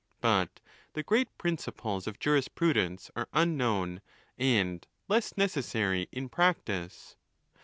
But the great principles of jurisprudence are unknown, and less neces sary in practice.